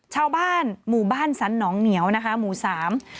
ชาวบ้านหมู่บ้านสันหนองเหนียวนะคะหมู่สาม